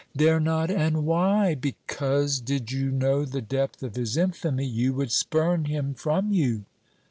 "Dare not! And why?" "Because, did you know the depth of his infamy, you would spurn him from you!"